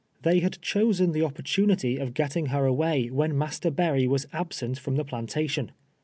They had chosen tlie opportunity of getting her away when INIaster Berry was ahsentfroni the i>lantation.